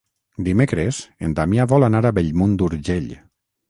Dimecres en Damià vol anar a Bellmunt d'Urgell.